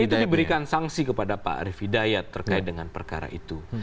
dan itu diberikan sanksi kepada pak arief hidayat terkait dengan perkara itu